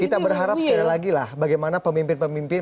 kita berharap sekali lagi lah bagaimana pemimpin pemimpin